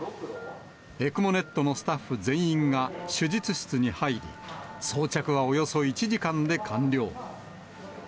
ＥＣＭＯｎｅｔのスタッフ全員が手術室に入り、装着は、およそ１時間で完了。